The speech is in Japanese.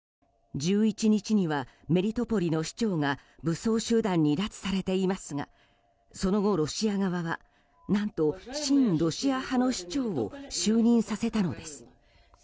１１日にはメリトポリの市長が武装集団に拉致されていますがその後、ロシア側は何と、親ロシア派の市長を就任させたのです。